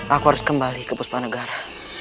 aku harus kembali ke puspanegara